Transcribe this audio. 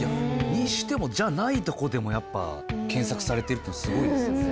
にしてもじゃないとこでもやっぱ検索されてるってすごいですよね。